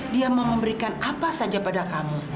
dia mau memberikan apa saja pada kami